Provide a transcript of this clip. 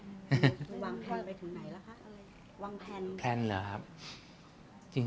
วางแพลน